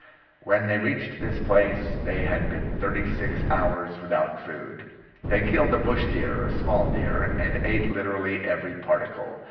When they reached this place they had been thirty six hours without food. They killed a bush deer a small deer and ate literally every particle.